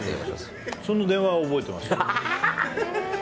その電話は覚えてます。